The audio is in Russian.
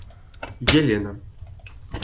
Елена